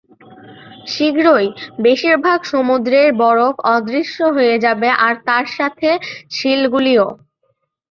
শীঘ্রই, বেশিরভাগ সমুদ্রের বরফ অদৃশ্য হয়ে যাবে আর তার সাথে, সিলগুলিও।